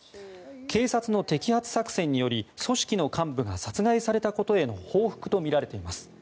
警察の摘発作戦により組織の幹部が殺害されたことへの報復とみられています。